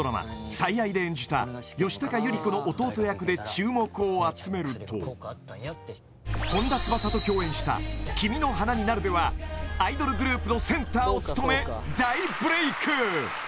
「最愛」で演じた吉高由里子の弟役で注目を集めると本田翼と共演した「君の花になる」ではアイドルグループのセンターを務め大ブレイク